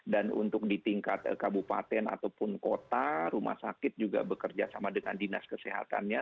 dan untuk di tingkat kabupaten ataupun kota rumah sakit juga bekerja sama dengan dinas kesehatannya